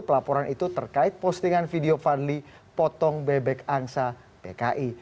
pelaporan itu terkait postingan video fadli potong bebek angsa pki